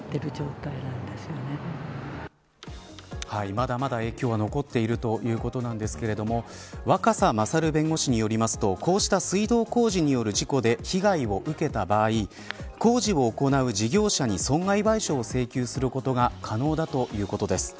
まだまだ影響は残っているということなんですが若狭勝弁護士によりますとこうした水道工事による事故で被害を受けた場合工事を行う事業者に損害賠償を請求することが可能だということです。